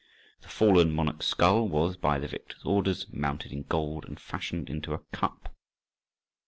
The fallen monarch's skull was, by the victor's orders, mounted in gold and fashioned into a cup.